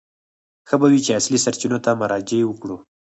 ښه به وي چې اصلي سرچینو ته مراجعه وکړو.